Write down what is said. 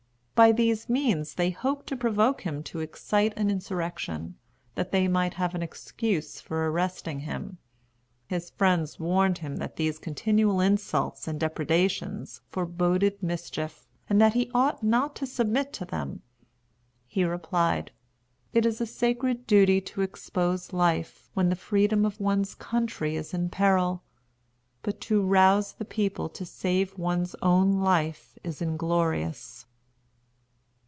By these means they hoped to provoke him to excite an insurrection, that they might have an excuse for arresting him. His friends warned him that these continual insults and depredations foreboded mischief, and that he ought not to submit to them. He replied, "It is a sacred duty to expose life when the freedom of one's country is in peril; but to rouse the people to save one's own life is inglorious."